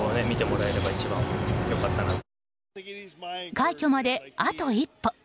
快挙まであと一歩。